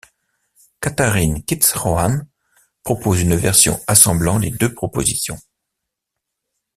Katharine Keats-Rohan propose une version assemblant les deux propositions.